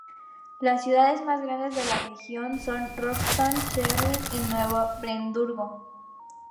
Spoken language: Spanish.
Las ciudades más grandes de la región son Rostock, Schwerin y Nuevo Brandeburgo.